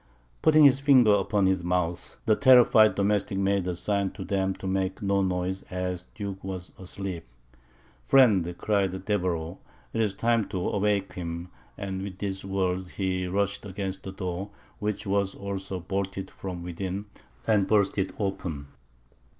Putting his finger upon his mouth, the terrified domestic made a sign to them to make no noise, as the Duke was asleep. "Friend," cried Deveroux, "it is time to awake him;" and with these words he rushed against the door, which was also bolted from within, and burst it open.